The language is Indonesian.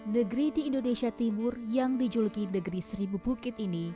negeri di indonesia timur yang dijuluki negeri seribu bukit ini